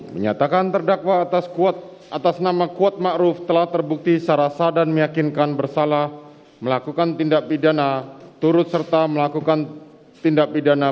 satu menyatakan terdakwa atas nama kuat makruf telah terbukti sarasa dan meyakinkan bersalah melakukan tindak pidana